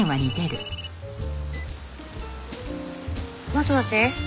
もしもし。